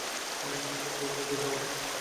কিন্তু উভয়েই দ্রুত আউট হন।